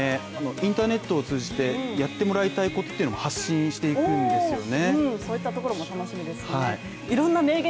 インターネットを通じてやってもらいたいことっていうのを発信していくんですよね